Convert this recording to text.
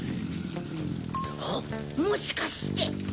ハッもしかして。